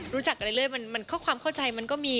รู้จักกันเรื่อยข้อความเข้าใจมันก็มี